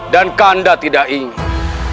dan kakanda tidak ingin